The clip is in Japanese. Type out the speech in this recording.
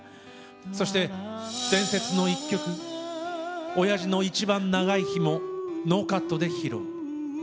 そして伝説の一曲「親父の一番長い日」もノーカットで披露。